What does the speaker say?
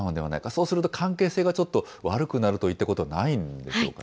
そうすると関係性がちょっと悪くなるといったことないでしょうか